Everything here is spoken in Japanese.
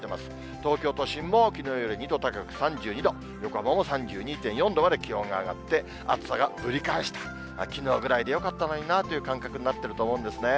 東京都心もきのうより２度高く３２度、横浜も３２．４度まで気温が上がって、暑さがぶり返した、きのうぐらいでよかったのになという感覚になっていると思うんですね。